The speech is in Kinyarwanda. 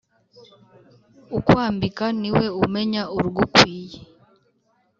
Ukwambika niwe umenya urugukwiye